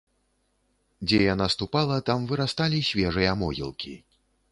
Дзе яна ступала, там вырасталі свежыя могілкі.